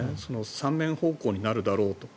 ３面方向になるだろうと。